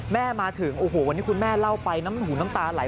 แม่มาถึงวันนี้คุณแม่เล่าไปหูน้ำตาไหล